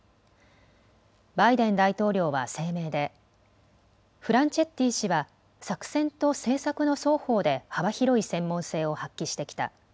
バイデン大統領は声明でフランチェッティ氏は作戦と政策の双方で幅広い専門性を発揮してきた。